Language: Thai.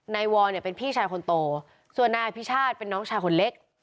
วอลเนี่ยเป็นพี่ชายคนโตส่วนนายอภิชาติเป็นน้องชายคนเล็ก